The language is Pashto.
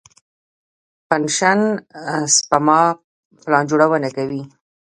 پنشن سپما پلان جوړونه کوي.